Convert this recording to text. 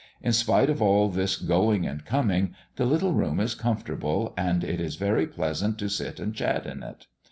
In spite of all this going and coming, the little room is comfortable, and it is very pleasant to sit and chat in it.